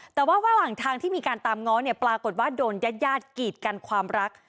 แต่ว่าระหว่างทางที่มีการตามง้อเนี่ยปรากฏว่าโดนญาติญาติกีดกันความรัก